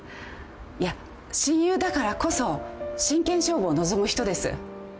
いや親友だからこそ真剣勝負を望む人です。